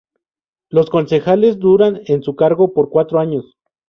Los concejales duran en su cargo por cuatro años.